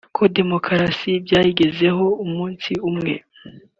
ko demokarasi byayigezeho umunsi umwe